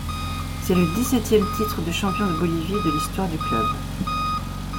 C'est le dix-septième titre de champion de Bolivie de l'histoire du club.